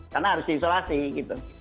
karena harus diisolasi gitu